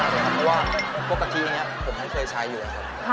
เพราะบางทีผมก็เคยใช้อยู่